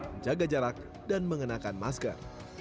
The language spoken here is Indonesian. menjaga jarak dan mengenakan masker